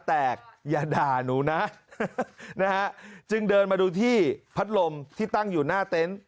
แต่อย่าด่าหนูนะนะฮะจึงเดินมาดูที่พัดลมที่ตั้งอยู่หน้าเต็นต์